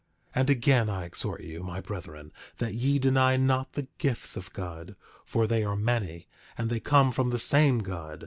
10:8 And again, I exhort you, my brethren, that ye deny not the gifts of God, for they are many; and they come from the same God.